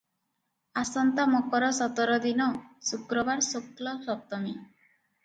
ଆସନ୍ତା ମକର ସତର ଦିନ, ଶୁକ୍ରବାର, ଶୁକ୍ଳ ସପ୍ତମୀ ।